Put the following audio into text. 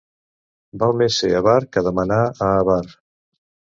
Val més ser avar que demanar a avar.